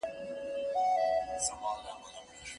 نو له کومه یې پیدا کړل دا طلاوي جایدادونه